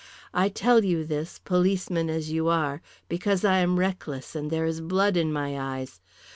I tell you this, policeman as you are, because I am reckless, and there is blood in my eyes.